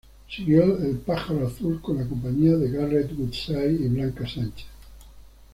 Siguió "El pájaro azul" con la compañía de Garret Woodside y Blanca Sánchez.